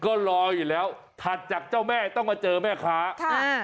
ก็รออยู่แล้วถัดจากเจ้าแม่ต้องมาเจอแม่ค้าค่ะอ่า